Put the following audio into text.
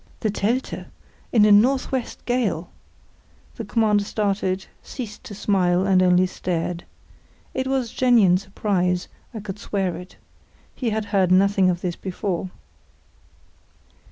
"The Telte! In a north west gale!" The Commander started, ceased to smile, and only stared. (It was genuine surprise; I could swear it. He had heard nothing of this before.)